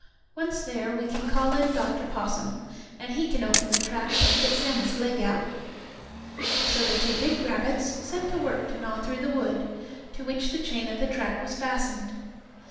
Once there, we can call in Dr. Possum, and he can open the trap and get Sammie's leg out." So the two big rabbits set to work to gnaw through the wood, to which the chain of the trap was fastened.